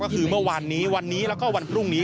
ก็คือเมื่อวานนี้วันนี้แล้วก็วันพรุ่งนี้